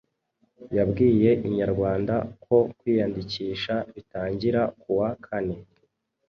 yabwiye Inyarwanda ko kwiyandikisha bitangira kuwa kane